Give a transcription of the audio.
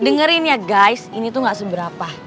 dengerin ya guys ini tuh gak seberapa